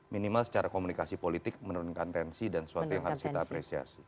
minimal secara komunikasi politik menurunkan tensi dan sesuatu yang harus kita apresiasi